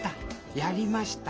やりました！